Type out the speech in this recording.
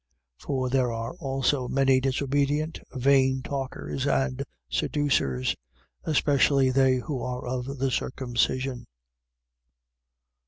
1:10. For there are also many disobedient, vain talkers and seducers: especially they who are of the circumcision.